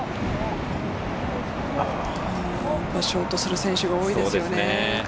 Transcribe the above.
ショートする選手が多いですよね。